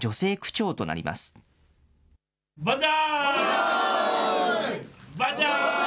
万歳。